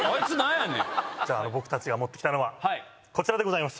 僕たちが持って来たのはこちらでございます。